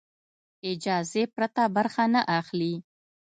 اجازې پرته برخه نه اخلي.